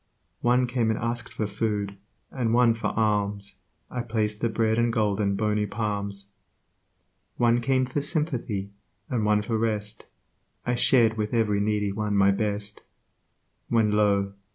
One came and asked for food, and one for alms I placed the bread and gold in bony palms. One came for sympathy, and one for rest; I shared with every needy one my best; When, Io!